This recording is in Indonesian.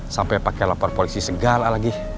sampai pakai lapor polisi segala lagi